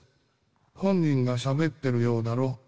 本人がしゃべってるようだろ？